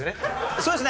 そうですね。